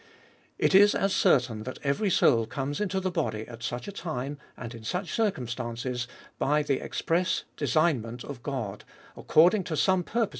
It is as certain, that every soul comes into the body at such a time, and in such circumstances, by the express dcsignment of God,, according to some pur})o.